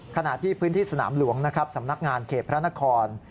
ขณะที่พื้นที่สนามหลวงนะครับสำนักงานเขตพระนคร